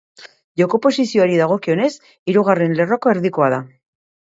Joko posizioari dagokionez, hirugarren lerroko erdikoa da.